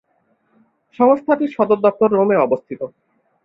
সংস্থাটির সদর দপ্তর রোমে অবস্থিত।